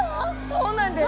そうなんです！